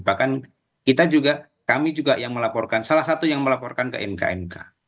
bahkan kami juga yang melaporkan salah satu yang melaporkan ke mkmk